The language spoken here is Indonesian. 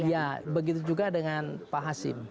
ya begitu juga dengan pak hasim